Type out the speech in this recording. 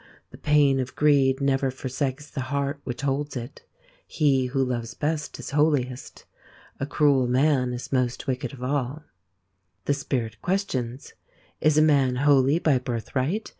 The pain_oLgreed never^jforsakes the heart which hoWsjt He who jgvesjbest is^holie^ is most wicked of all. "' The Spirit questions : Is a man holy by birth right